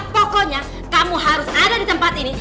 pokoknya kamu harus ada di tempat ini